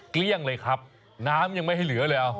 เกลี้ยงเลยครับน้ำยังไม่ให้เหลือเลยเอา